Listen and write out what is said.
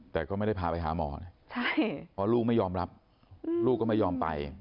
แต่ก็ไม่ได้พาไปหาหมอนะเพราะลูกไม่ยอมรับลูกก็ไม่ยอมไป